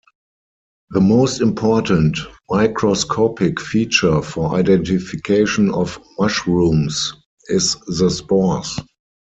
The most important microscopic feature for identification of mushrooms is the spores.